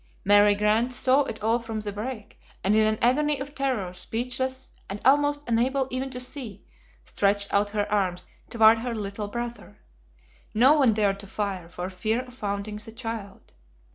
Mary Grant saw it all from the brake, and in an agony of terror, speechless and almost unable even to see, stretched out her arms toward her little brother. No one dared to fire, for fear of wounding the child.